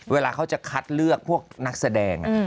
เวลาเขาจะคัดเลือกพวกนักแสดง